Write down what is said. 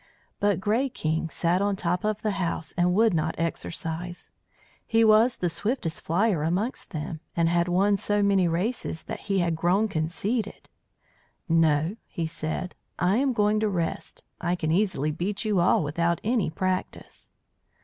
But Grey King sat on top of the house, and would not exercise. He was the swiftest flyer amongst them, and had won so many races that he had grown conceited. "No," he said, "I am going to rest. I can easily beat you all without any practice."